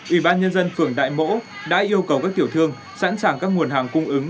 ủy ban nhân dân phường đại mỗ đã yêu cầu các tiểu thương sẵn sàng các nguồn hàng cung ứng